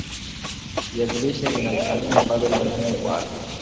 viazi lishe vina vitamini ambazo ni muhimu kwa afya